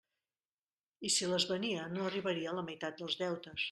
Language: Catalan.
I si les venia, no arribaria a la meitat dels deutes.